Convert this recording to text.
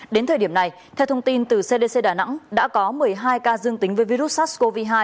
đến thời điểm này theo thông tin từ cdc đà nẵng đã có một mươi hai ca dương tính với virus sars cov hai